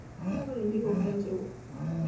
那个人比我还瞭解我